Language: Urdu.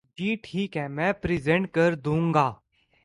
جی ٹھیک ہے میں پریزینٹ کردوں گا۔